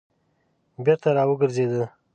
بېرته راوګرځېده.